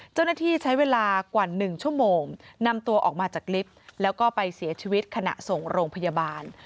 เจ้าหน้าที่ใช้เวลากว่า๑ชั่วโมงนำตัวออกมาจากลิฟต์แล้วก็ไปเสียชีวิตขณะส่งโรงพยาบาล